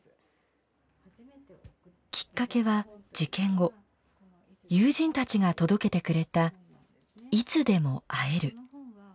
きっかけは事件後友人たちが届けてくれた「いつでも会える」。